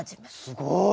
すごい！